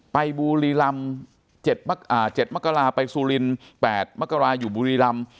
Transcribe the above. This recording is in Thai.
ไปบุรีรำ๗มกราไปซูลิน๘มกราอยู่บุรีรำ